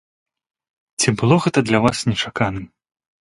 Ці было гэта для вас нечаканым?